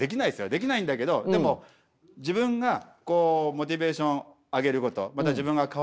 できないんだけどでも自分がこうモチベーション上げることまた自分が変わること。